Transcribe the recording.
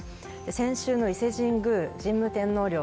先週の伊勢神宮、神武天皇陵